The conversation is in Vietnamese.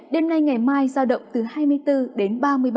đêm nay ngày mai ra động từ hai mươi bốn ba mươi ba độ